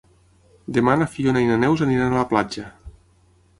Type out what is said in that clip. Demà na Fiona i na Neus aniran a la platja.